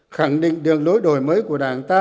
khẳng định đường lối đổi mới của đảng ta